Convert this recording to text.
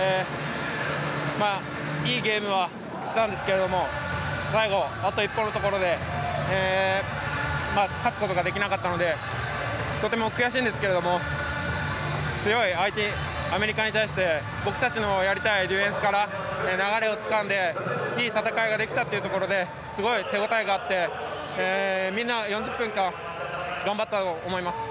いいゲームをしたんですが最後、あと一歩のところで勝つことができなかったのでとても悔しいんですけれども強い相手、アメリカに対して僕たちのやりたいディフェンスから流れをつかんで、いい戦いができたというところですごい手応えがあってみんな４０分間頑張ったと思います。